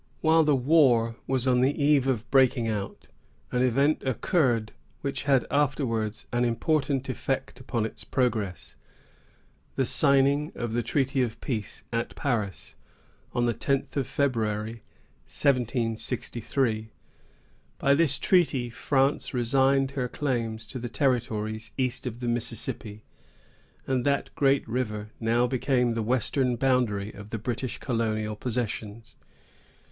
While the war was on the eve of breaking out, an event occurred which had afterwards an important effect upon its progress,——the signing of the treaty of peace at Paris, on the tenth of February, 1763. By this treaty France resigned her claims to the territories east of the Mississippi, and that great river now became the western boundary of the British colonial possessions.